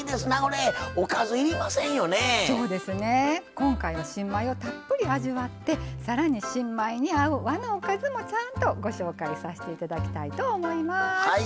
今回は新米をたっぷり味わってさらに新米に合う和のおかずもご紹介させていただきたいと思います。